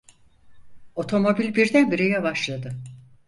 Otomobil birdenbire yavaşladı.